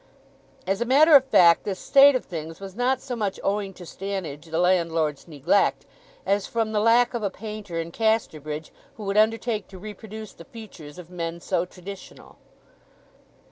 As a matter of fact, this state of things was not so much owing to Stannidge the landlord's neglect, as from the lack of a painter in Casterbridge who would undertake to reproduce the features of men so traditional.